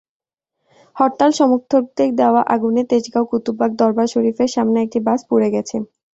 হরতাল-সমর্থকদের দেওয়া আগুনে তেজগাঁও কুতুববাগ দরবার শরিফের সামনে একটি বাস পুড়ে গেছে।